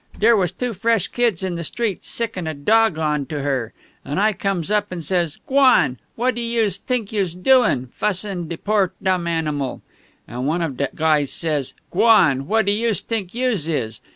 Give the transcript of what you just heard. "Dere was two fresh kids in the street sickin' a dawg on to her. And I comes up and says, 'G'wan! What do youse t'ink youse doin', fussin' de poor dumb animal?' An' one of de guys, he says, 'G'wan! Who do youse t'ink youse is?'